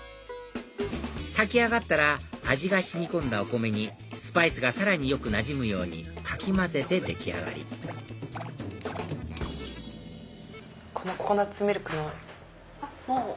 炊き上がったら味が染み込んだお米にスパイスがさらによくなじむようにかき混ぜて出来上がりココナツミルクは？